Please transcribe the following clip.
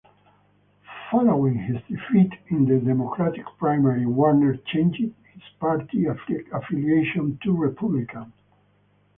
Following his defeat in the Democratic Primary, Warner changed his party affiliation to Republican.